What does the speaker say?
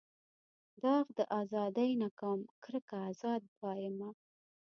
داغ د ازادۍ نه کوم کرکه ازاد پایمه.